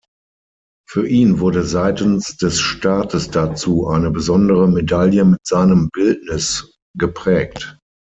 Für ihn wurde seitens des Staates dazu eine besondere Medaille mit seinem Bildnis geprägt.